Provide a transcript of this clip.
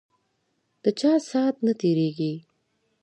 ده چا سات نه تیریږی